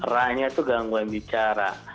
r nya itu gangguan bicara